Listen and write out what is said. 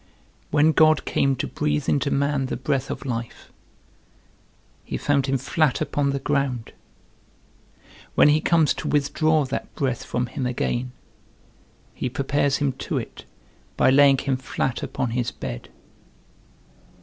When God came to breathe into man the breath of life, he found him flat upon the ground; when he comes to withdraw that breath from him again, he prepares him to it by laying him flat upon his bed.